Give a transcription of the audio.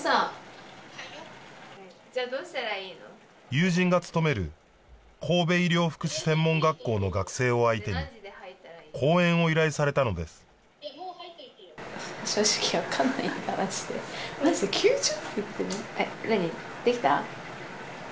友人が勤める神戸医療福祉専門学校の学生を相手に講演を依頼されたのですえっ何？できた？